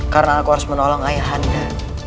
karena aku harus menolong ayah anda